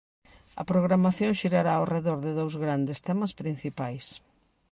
A programación xirará ao redor de dous grandes temas principais.